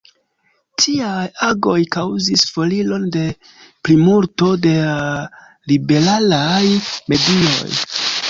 Tiaj agoj kaŭzis foriron de plimulto da liberalaj medioj.